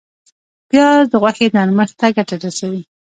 پیاز د غوښې نرمښت ته ګټه رسوي